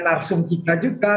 narsung kita juga